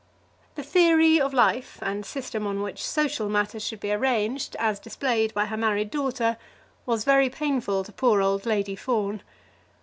The theory of life and system on which social matters should be managed, as displayed by her married daughter, was very painful to poor old Lady Fawn.